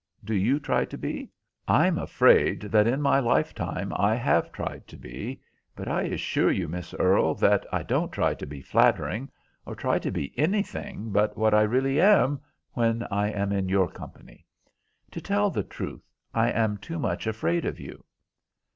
Do you try to be?" "I'm afraid that in my lifetime I have tried to be, but I assure you, Miss Earle, that I don't try to be flattering, or try to be anything but what I really am when I am in your company. To tell the truth, I am too much afraid of you."